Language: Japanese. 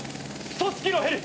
組織のヘリ。